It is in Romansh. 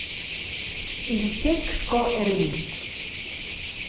In tec sco eremit.